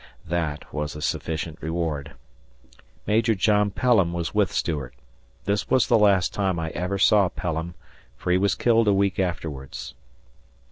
That was a sufficient reward. Major John Pelham was with Stuart. This was the last time I ever saw Pelham, for he was killed a week afterwards.